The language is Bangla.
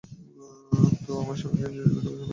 তো আমার স্বামীকে জীবিত ঘোষণা করেন।